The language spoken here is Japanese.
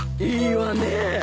いいわねえ。